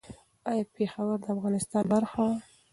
ایا پېښور د افغانستان برخه وه؟